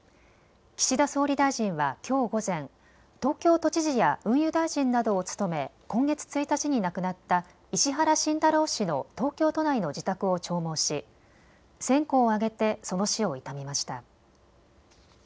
岸田総理大臣は、きょう午前、東京都知事や運輸大臣などを務め今月１日に亡くなった石原慎太郎氏の東京都内の自宅を弔問し線香を上げてその死を悼みました。